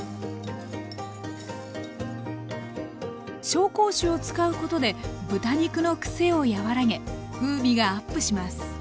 紹興酒を使うことで豚肉のクセを和らげ風味がアップします。